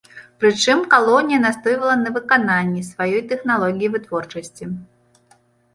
Прычым калонія настойвала на выкананні сваёй тэхналогіі вытворчасці.